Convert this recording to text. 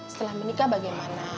setelah menikah bagaimana